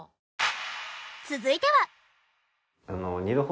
続いては。